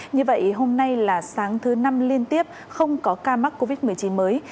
như vậy hôm nay là sáng thứ năm liên tiếp không có ca mắc covid một mươi chín mới